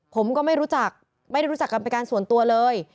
ผมก็ไม่รู้จักไม่ได้รู้จักกันเป็นการส่วนตัวเลย